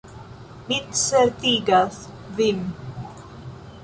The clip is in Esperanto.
Mi certigas vin.